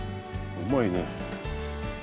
うまいね。